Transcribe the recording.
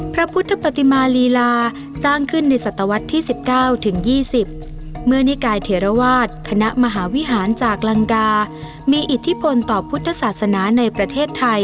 พระพุทธปฏิมาลีลาสร้างขึ้นในศตวรรษที่๑๙ถึง๒๐เมื่อนิกายเถระวาสคณะมหาวิหารจากลังกามีอิทธิพลต่อพุทธศาสนาในประเทศไทย